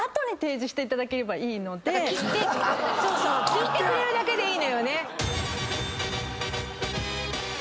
聞いてくれるだけでいいのよね。